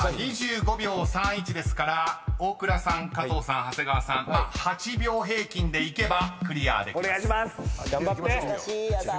［２５秒３１ですから大倉さん加藤さん長谷川さん８秒平均でいけばクリアできます］いきましょう。